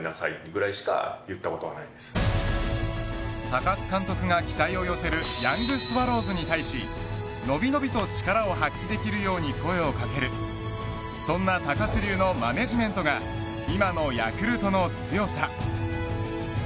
高津監督が期待を寄せるヤングスワローズに対しのびのびと力を発揮できるように声をかけるそんな高津流のマネジメントが今のヤクルトの強さ。